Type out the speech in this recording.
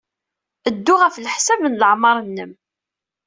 Ddu ɣef leḥsab n leɛmeṛ-nnem.